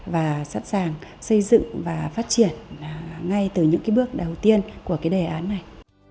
và sẵn sàng xây dựng và phát triển ngay từ những cái bước đầu tiên của cái đề án này